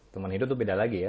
teman hidup itu beda lagi ya